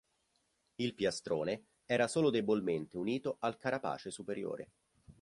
Il piastrone era solo debolmente unito al carapace superiore.